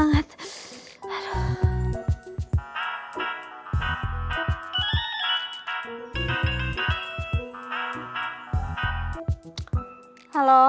susah nanti gue mau nikmati gue